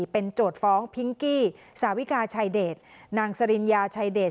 เป็นโจทย์ฟ้องพิงกี้สาวิกาชายเดชนางสริญญาชัยเดช